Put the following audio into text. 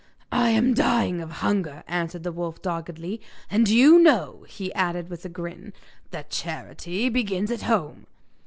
'I am dying of hunger,' answered the wolf, doggedly; 'and you know,' he added with a grin, 'that charity begins at home.